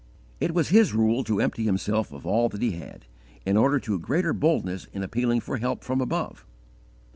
"_ It was his rule to empty himself of all that he had, in order to greater boldness in appealing for help from above.